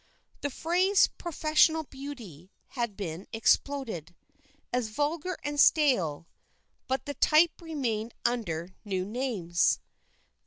The phrase "professional beauty" had been exploded, as vulgar and stale, but the type remained under new names.